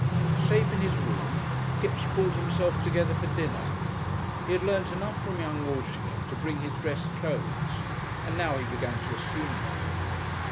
Safe in his room, Kipps pulled himself together for dinner. He had learnt enough from young Walshingham to bring his dress clothes, and now he began to assume them.